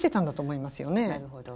なるほど。